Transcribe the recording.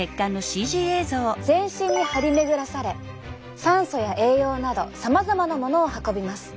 全身に張り巡らされ酸素や栄養などさまざまなものを運びます。